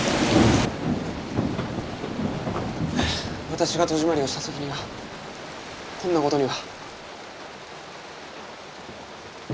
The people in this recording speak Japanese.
私が戸締まりをした時にはこんな事には。